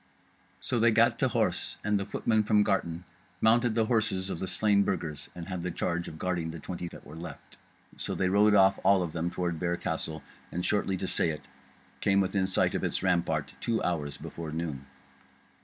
So they gat to horse, and the footmen from Garton mounted the horses of the slain Burgers, and had the charge of guarding the twenty that were left. So they rode off all of them toward Bear Castle, and shortly to say it, came within sight of its rampart two hours before noon.